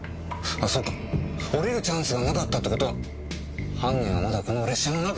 そうか降りるチャンスがなかったって事は犯人はまだこの列車の中！